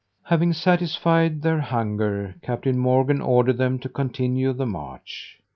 Having satisfied their hunger, Captain Morgan ordered them to continue the march.